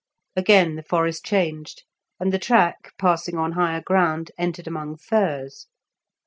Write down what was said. Again the forest changed, and the track, passing on higher ground, entered among firs.